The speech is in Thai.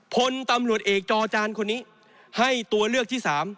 พลตำรวจเอกจอจานคนนี้ให้ตัวเลือกที่๓